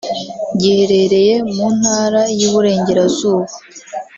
giherereye mu Ntara y’Iburengerazuba